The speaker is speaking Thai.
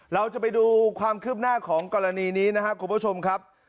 เราจะไปดูความคืบหน้าของกรณีนี้นะครับคุณผู้ชมครับ